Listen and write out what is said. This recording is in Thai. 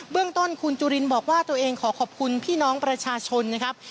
เรื่องต้นคุณจุลินบอกว่าตัวเองขอขอบคุณพี่น้องประชาชนนะครับ